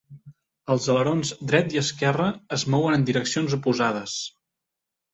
Els alerons dret i esquerre es mouen en direccions oposades.